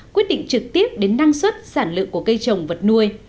quyết định trực tiếp đến năng suất sản lượng của cây trồng vật nuôi